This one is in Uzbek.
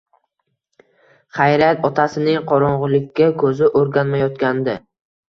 Xayriyat otasining qorong‘ulikka ko‘zi o‘rganmayotgandi